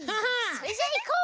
それじゃあいこう！